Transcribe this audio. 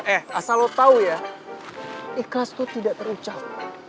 eh asal lo tau ya ikhlas tuh tidak terucap